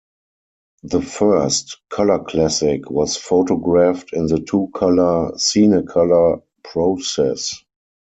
The first "Color Classic" was photographed in the two-color Cinecolor process.